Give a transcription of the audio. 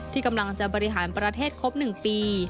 ที่กำลังจะบริหารประเทศครบ๑ปี